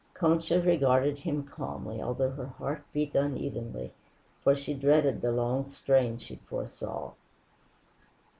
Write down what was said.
Concha regarded him calmly, although her heart beat unevenly, for she dreaded the long strain she foresaw.